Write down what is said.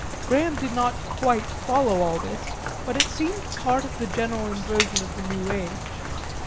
Graham did not quite follow all this, but it seemed part of the general inversion of the new age.